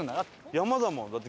山だもんだって。